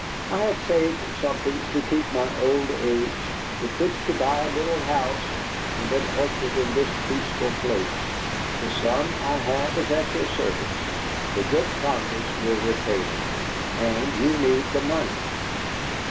I have saved something to keep my old age, with which to buy a little house and an orchard in this peaceful place. The sum I have is at your service. The good Congress will repay me. And you need the money."